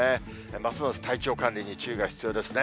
ますます体調管理に注意が必要ですね。